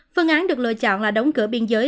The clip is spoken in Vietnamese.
phương án được lựa chọn là đóng cửa biên giới